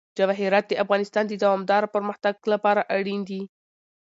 جواهرات د افغانستان د دوامداره پرمختګ لپاره اړین دي.